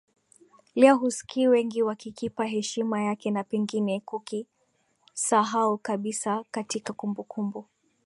Leo husikii wengi wakikipa heshima yake na pengine kukisahau kabisa katika kumbukumbu